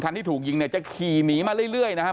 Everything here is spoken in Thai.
ที่ถูกยิงเนี่ยจะขี่หนีมาเรื่อยนะครับ